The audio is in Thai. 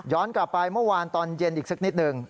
กลับไปเมื่อวานตอนเย็นอีกสักนิดหนึ่ง